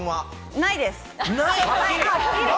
ないです。